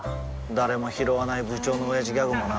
誰もひろわない部長のオヤジギャグもな